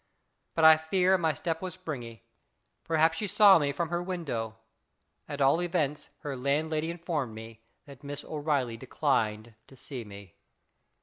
But I fear my step was springy. Perhaps she saw me from her window. At all events, her landlady informed me that Miss O'Reilly declined to see me.